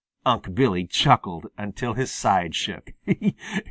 Unc' Billy chuckled until his sides shook.